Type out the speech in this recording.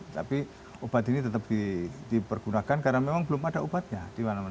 tapi obat ini tetap dipergunakan karena memang belum ada obatnya dimana mana